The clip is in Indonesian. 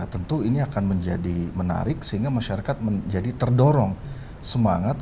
tentu ini akan menjadi menarik sehingga masyarakat menjadi terdorong semangat